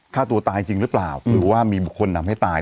ฆ่าตัวตายจริงหรือเปล่าหรือว่ามีบุคคลทำให้ตาย